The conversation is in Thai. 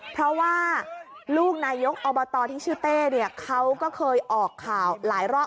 เพราะว่าลูกนายกอบตที่ชื่อเต้เนี่ยเขาก็เคยออกข่าวหลายรอบ